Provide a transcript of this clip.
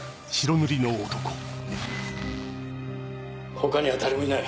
他には誰もいない。